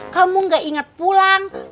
kamu gak inget pulang